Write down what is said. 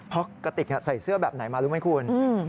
เพราะกระติกใส่เสื้อแบบไหนมารู้ไหมคุณ